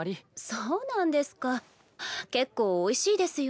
そうなんですか結構おいしいですよ。